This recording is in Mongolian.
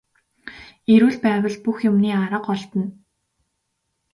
Эрүүл байвал бүх юмны арга олдоно.